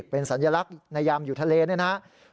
เป็นสัญลักษณ์นายามอยู่ทะเลนะ